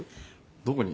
どこに。